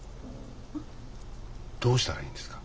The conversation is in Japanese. どうしたらいいんですか？